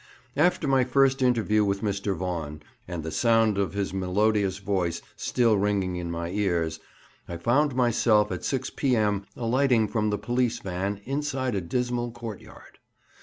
After my first interview with Mr. Vaughan, and with the sound of his melodious voice still ringing in my ears, I found myself about 6 P.M. alighting from the police van inside a dismal courtyard.